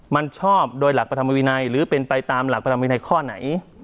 มันชอบโดยหลักพระธรรมวินัยหรือเป็นไปตามหลักพระธรรมวินัยข้อไหน